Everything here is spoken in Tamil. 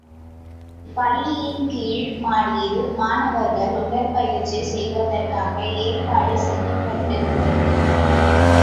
பள்ளியின் கீழ் மாடியில் மாணவர்கள் உடற்பயிற்சி செய்வதற்காக ஏற்பாடு செய்யப்பட்டிருந்தது.